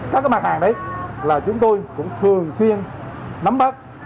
các mặt hàng đấy là chúng tôi cũng thường xuyên nắm bắt